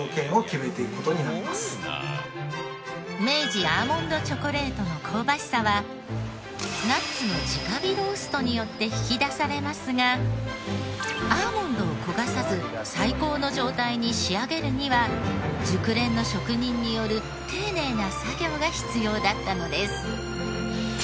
明治アーモンドチョコレートの香ばしさはナッツの直火ローストによって引き出されますがアーモンドを焦がさず最高の状態に仕上げるには熟練の職人による丁寧な作業が必要だったのです。